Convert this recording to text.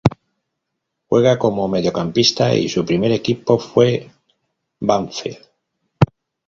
Juega como mediocampista y su primer equipo fue Banfield.